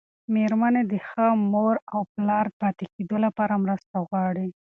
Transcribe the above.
مېرمنې د ښه مور او پلار پاتې کېدو لپاره مرسته غواړي.